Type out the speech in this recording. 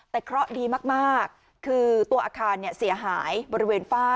แต่เคราะห์ดีมากคือตัวอาคารเสียหายบริเวณฝ้า